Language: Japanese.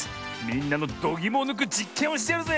みんなのどぎもをぬくじっけんをしてやるぜ！